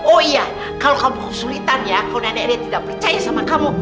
oh iya kalau kamu kesulitan ya kalau nenek dia tidak percaya sama kamu